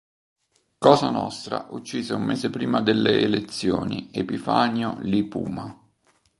Cosa Nostra uccise un mese prima delle elezioni Epifanio Li Puma.